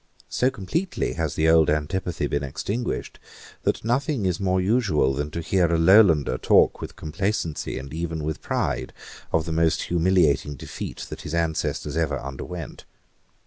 So completely has the old antipathy been extinguished that nothing is more usual than to hear a Lowlander talk with complacency and even with pride of the most humiliating defeat that his ancestors ever underwent.